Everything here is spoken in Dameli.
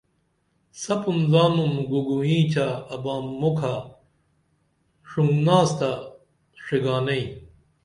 سپُن زانُن گُوگُو اینچہ ابام مکھہ ݜُنگ ناستہ ݜِگانئی